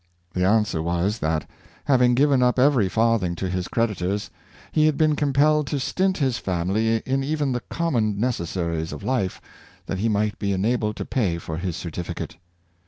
" The answer was, that, having given up every farthing to his creditors, he had been compelled to stint his family in even the common necessaries of life, that he might be enabled to pay for his certificate.